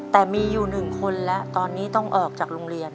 แต่มีอยู่๑คนแล้วตอนนี้ต้องออกจากโรงเรียน